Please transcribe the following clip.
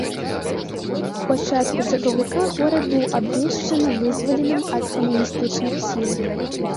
У пачатку сакавіка горад быў абвешчаны вызваленым ад камуністычных сіл.